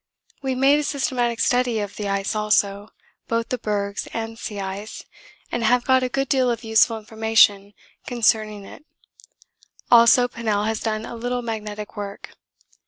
'We have made a systematic study of the ice also, both the bergs and sea ice, and have got a good deal of useful information concerning it. Also Pennell has done a little magnetic work.